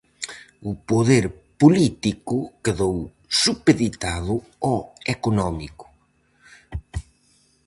O poder político quedou supeditado ao económico.